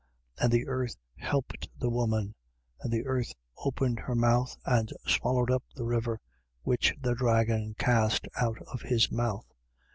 12:16. And the earth helped the woman: and the earth opened her mouth and swallowed up the river which the dragon cast out of his mouth.